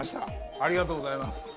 ありがとうございます。